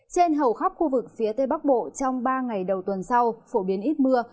trên hầu khắp khu vực phía tây bắc bộ trong ba ngày đầu tuần sau phổ biến ít mưa